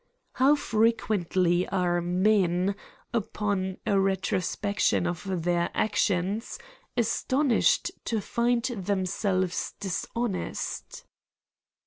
How frequently are men, upon a retrospection of their actions, astonished to find themselves dishonest